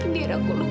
biar aku lupa